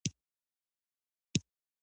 مکروبونه په ککړ چاپیریال کې وي